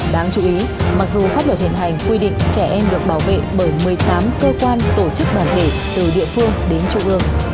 đáng chú ý mặc dù pháp luật hiện hành quy định trẻ em được bảo vệ bởi một mươi tám cơ quan tổ chức đoàn thể từ địa phương đến trung ương